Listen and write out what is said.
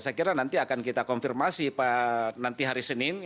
saya kira nanti akan kita konfirmasi nanti hari senin